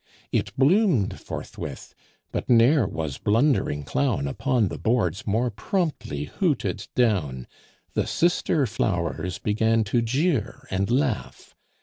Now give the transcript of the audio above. It bloomed forthwith; but ne'er was blundering clown Upon the boards more promptly hooted down; The sister flowers began to jeer and laugh.